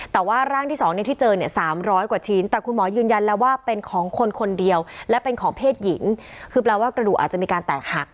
แต่ว่าร่างที่๒ที่เจอเนี่ย๓๐๐กว่าชิ้นแต่คุณหมอยืนยันแล้วว่าเป็นของคนคนเดียวและเป็นของเพศหญิงคือแปลว่ากระดูกอาจจะมีการแตกหัก